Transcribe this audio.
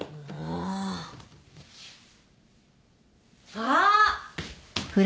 あっ！